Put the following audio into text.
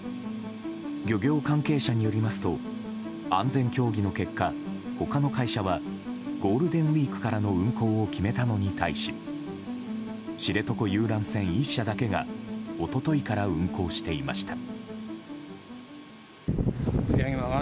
漁業関係者によりますと安全協議の結果他の会社はゴールデンウィークからの運航を決めたのに対し知床遊覧船１社だけが一昨日から運航していました。